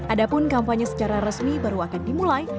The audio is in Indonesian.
adapun kampanye secara resmi baru akan dimulai